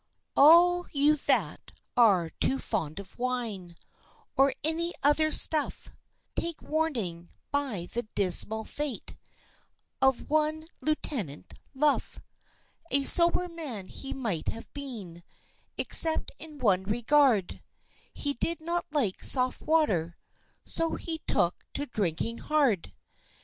All you that are too fond of wine, Or any other stuff, Take warning by the dismal fate Of one Lieutenant Luff. A sober man he might have been, Except in one regard, He did not like soft water, So he took to drinking hard!